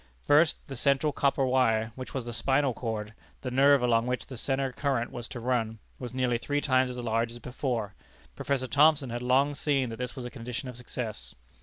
First, the central copper wire, which was the spinal cord, the nerve along which the centre current was to run, was nearly three times as large as before. Prof. Thomson had long seen that this was a condition of success.